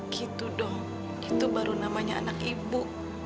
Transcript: gitu dong itu baru namanya anak ibu